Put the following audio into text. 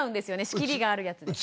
仕切りがあるやつで。